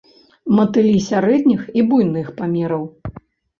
Матылі сярэдніх і буйных памераў.